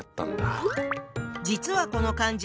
実はこの漢字